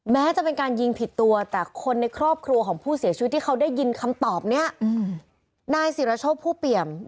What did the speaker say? แม้จะเป็นการยิงผิดตัวแต่คนในครอบครัวของผู้เสียชีวิตที่เขาได้ยินคำตอบนี้